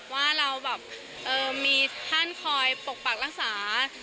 ว่าเราแบบมีท่านคอยปกปักรักษา